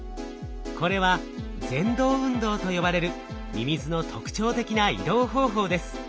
これは蠕動運動と呼ばれるミミズの特徴的な移動方法です。